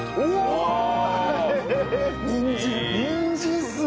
にんじんっすね！